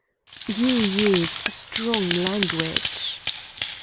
"You use strong language."